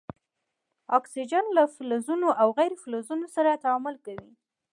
اکسیجن له فلزونو او غیر فلزونو سره تعامل کوي.